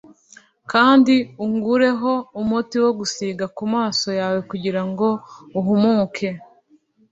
kandi ungureho umuti wo gusiga ku maso yawe kugira ngo uhumuke